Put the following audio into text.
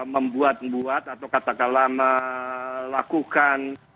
membuat buat atau katakanlah melakukan